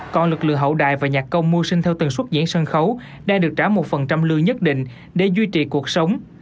còn lực lượng hậu đại và nhạc công mua sinh theo từng xuất diễn sân khấu đang được trả một phần trăm lưu nhất định để duy trì cuộc sống